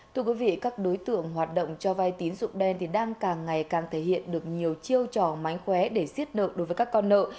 thưa quý vị các đối tượng hoạt động cho vai tín dụng đen đang càng ngày càng thể hiện được nhiều chiêu trò mánh khóe để xiết nợ đối với các con nợ